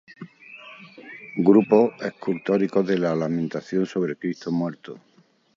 Grupos escultóricos de la lamentación sobre Cristo muerto